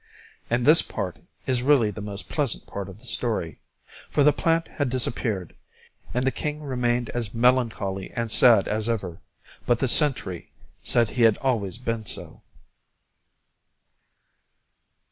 And this part is really the most pleasant part of the story. For the plant had disappeared, and the king remained as melancholy and sad as ever, but the sentry said he had always been so.